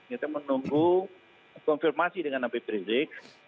kita menunggu konfirmasi dengan abid prizik